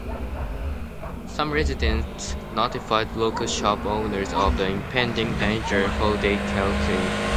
Some residents notified local shop owners of the impending danger so they could flee.